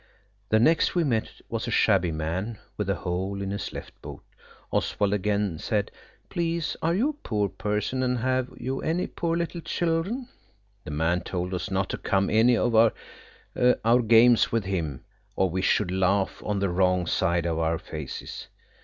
The next we met was a shabby man with a hole in his left boot. Again Oswald said, "Please, are you a poor person, and have you any poor little children?" The man told us not to come any of our games with him; or we should laugh on the wrong side of our faces.